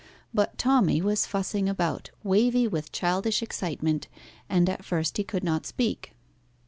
But Tommy was fussing about, wavy with childish excitement, and at first he could not speak.